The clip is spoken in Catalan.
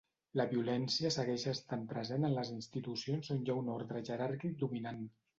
La violència segueix estant present en les institucions on hi ha un ordre jeràrquic dominant.